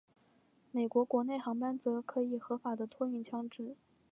美国国内航班则可以合法的托运枪支。